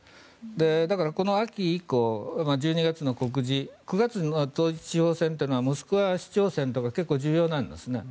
だから、この秋以降１２月の告示９月の統一地方選というのはモスクワ市長選とか結構、重要なんですね。